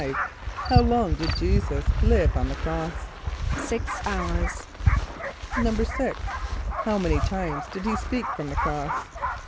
= How long did J[=e]´[s+]us live on the cross? =Six hours.= =6.= How many times did he speak from the cross?